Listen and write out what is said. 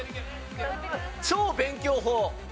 『「超」勉強法』。